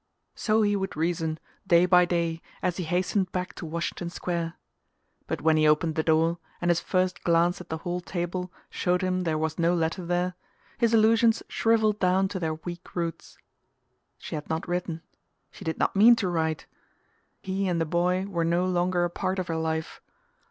So he would reason, day by day, as he hastened back to Washington Square; but when he opened the door, and his first glance at the hall table showed him there was no letter there, his illusions shrivelled down to their weak roots. She had not written: she did not mean to write. He and the boy were no longer a part of her life.